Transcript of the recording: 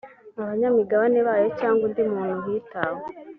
abanyamigabane bayo cyangwa undi muntu hitawe